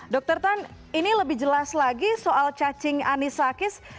dr tan ini lebih jelas lagi soal cacing anisakis